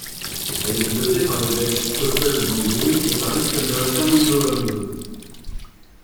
Elle est pilotée par le Belge Stoffel Vandoorne et par l'Espagnol Fernando Alonso.